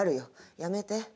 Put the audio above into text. やめて。